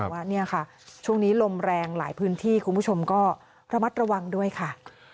แต่ว่าเนี่ยค่ะช่วงนี้ลมแรงหลายพื้นที่คุณผู้ชมก็ระมัดระวังด้วยค่ะ